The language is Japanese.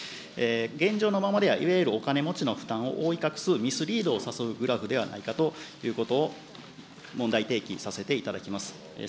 現状のままでは、いわゆるお金持ちの負担を覆い隠す、ミスリードを誘うグラフではないかということを問題提起させていただきます。